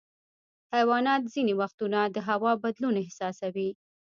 حیوانات ځینې وختونه د هوا بدلون احساسوي.